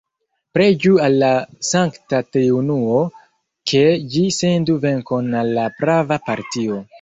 Preĝu al la Sankta Triunuo, ke Ĝi sendu venkon al la prava partio!